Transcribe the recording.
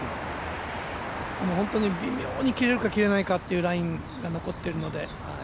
本当に微妙に切れるか切れないかというラインが残っているので。